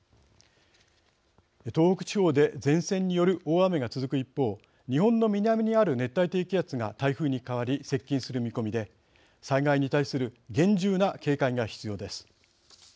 東北地方で前線による大雨が続く一方日本の南にある熱帯低気圧が台風に変わり、接近する見込みで災害に対する厳重な警戒が必要です。